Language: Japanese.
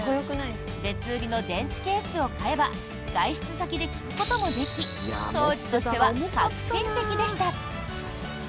別売りの電池ケースを買えば外出先で聴くこともでき当時としては革新的でした。